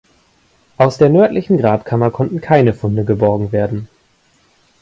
Aus der nördlichen Grabkammer konnten keine Funde geborgen werden.